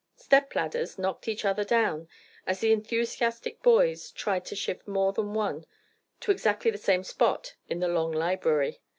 Step ladders knocked each other down, as the enthusiastic boys tried to shift more than one to exactly the same spot in the long library.